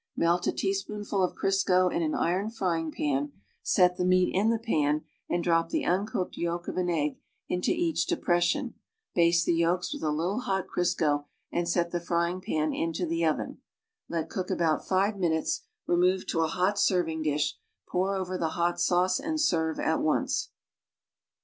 Jlelt a teaspoonful of Crisco in an iron frying pan, set the meat in the pan and drop the uncooked yolk of an egg into each de pression; baste the yolks with a little hot Crisco and set the frying pan into the oven; let cook about five minutes, remove to a hot serving dish, pour over the hot sauce and serve at once.